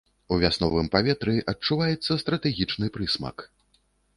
У вясновым паветры адчуваецца стратэгічны прысмак.